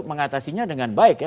mengatasinya dengan baik ya